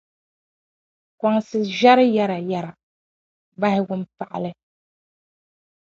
Kɔnsi ʒiɛri yɛrayɛra, bahi wumpaɣili.